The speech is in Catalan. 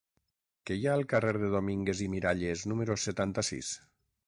Què hi ha al carrer de Domínguez i Miralles número setanta-sis?